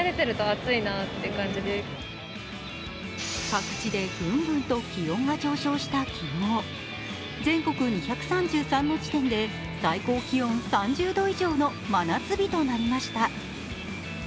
各地でぐんぐんと気温が上昇した昨日、全国２３３の地点で最高気温３０度以上の真夏日となりました。